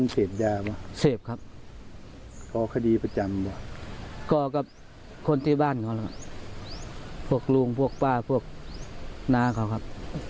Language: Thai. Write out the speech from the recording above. เป็นญาติครับ